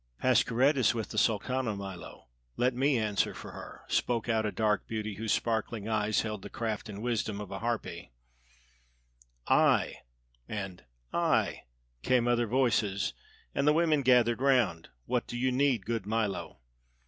"Pascherette is with the Sultana, Milo. Let me answer for her," spoke out a dark beauty whose sparkling eyes held the craft and wisdom of a harpy. "I " and "I " came other voices, and the women gathered around. "What do you need, good Milo?"